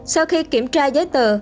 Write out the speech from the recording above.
sau khi kiểm tra giấy tờ